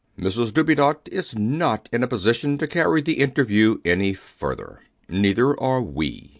B. B. [impressively] Mrs Dubedat is not in a position to carry the interview any further. Neither are we.